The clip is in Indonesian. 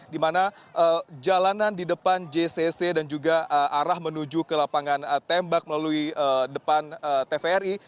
di mana jalanan di depan jcc dan juga arah menuju ke lapangan tembak melalui depan tvri